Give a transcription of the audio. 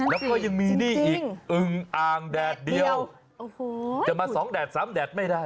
แล้วก็ยังมีนี่อีกอึงอ่างแดดเดียวโอ้โหจะมาสองแดดซ้ำแดดไม่ได้